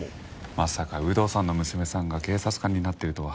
まさか有働さんの娘さんが警察官になってるとは。